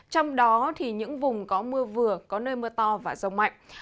trong đó thì những vùng có mưa vừa có nơi mưa to và rông mạnh